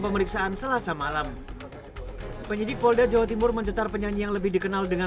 pemeriksaan selasa malam penyidik polda jawa timur mencecar penyanyi yang lebih dikenal dengan